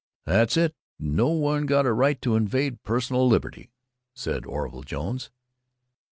"That's it no one got a right to invade personal liberty," said Orville Jones.